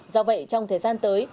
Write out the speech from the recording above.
do vậy trong thời gian tới